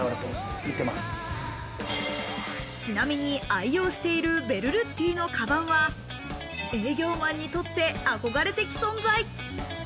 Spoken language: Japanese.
ちなみに愛用しているベルルッティのかばんは、営業マンにとって憧れ的存在。